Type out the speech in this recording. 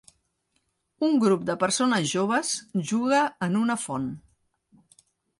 Un grup de persones joves juga en una font.